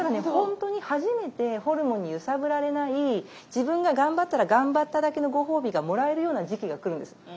本当に初めてホルモンに揺さぶられない自分が頑張ったら頑張っただけのご褒美がもらえるような時期が来るんです。